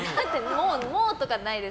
もうとかないです。